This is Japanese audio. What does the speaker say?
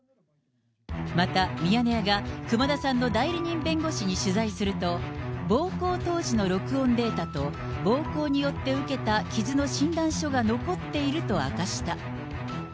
また、ミヤネ屋が熊田さんの代理人弁護士に取材すると、暴行当時の録音データと、暴行によって受けた傷の診断書が残っていると明かした。